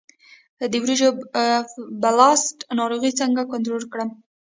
د وریجو بلاست ناروغي څنګه کنټرول کړم؟